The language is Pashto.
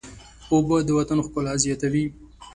اوبه د وطن ښکلا زیاتوي.